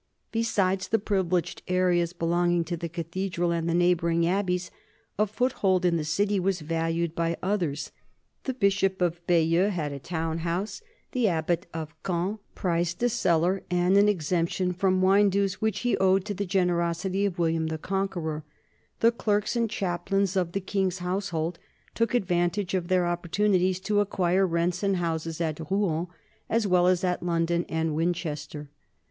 Besides the privileged areas belonging to the cathedral and the neighboring abbeys, a foothold in the city was valued by others: the bishop of Bayeux had a town NORMAN LIFE AND CULTURE 163 house ; the abbot of Caen prized a cellar and an exemp tion from wine dues which he owed to the generosity of William the Conqueror; the clerks and chaplains of the king's household took advantage of their opportunities to acquire rents and houses at Rouen, as well as at London and Winchester.